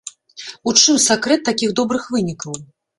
У чым сакрэт такіх добрых вынікаў?